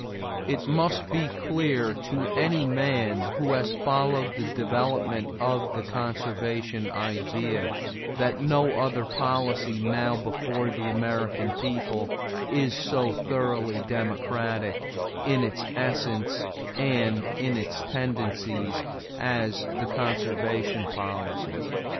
It must be clear to any man who has followed the development of the Conservation idea that no other policy now before the American people is so thoroughly democratic in its essence and in its tendencies as the Conservation policy.